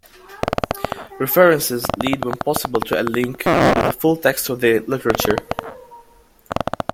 References lead when possible to a link to the full text of the literature.